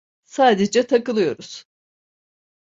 Sadece takılıyoruz.